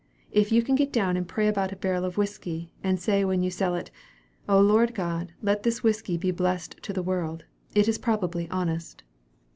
If you can get down and pray about a barrel of whiskey, and say when you sell it, 'O Lord God, let this whiskey be blessed to the world,' it is probably honest!"